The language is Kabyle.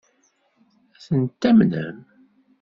Ad ten-tamnem?